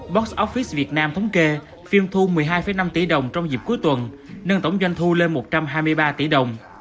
box office việt nam thống kê phim thu một mươi hai năm tỷ đồng trong dịp cuối tuần nâng tổng doanh thu lên một trăm hai mươi ba tỷ đồng